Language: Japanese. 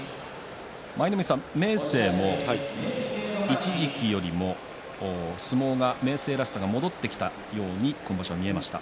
舞の海さん、明生も一時期よりも明生らしさが戻ってきたように今場所は見えました。